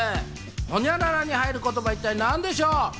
ホニャララに入る言葉は一体なんでしょう？